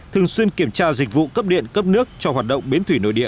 thường xuyên kiểm tra dịch vụ cấp điện cấp nước cho hoạt động bến thủy nội địa